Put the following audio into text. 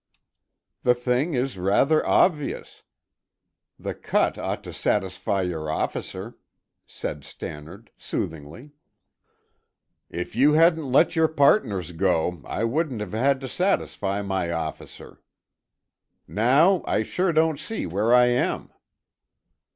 "The thing is rather obvious. The cut ought to satisfy your officer," said Stannard soothingly. "If you hadn't let your partners go, I wouldn't have had to satisfy my officer. Now I sure don't see where I am."